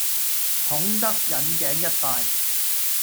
重則引頸一快